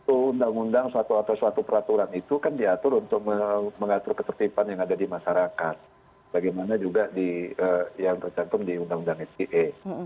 undang undang suatu atau suatu peraturan itu kan diatur untuk mengatur ketertiban yang ada di masyarakat bagaimana juga yang tercantum di undang undang ite